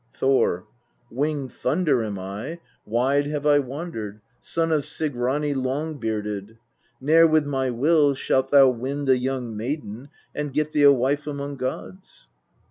Thor. 6. Winged thunder am I, wide have I wandered, son of Sigrani Long bearded : ne'er with my will shalt thou win the young maiden and get thee a wife among gods.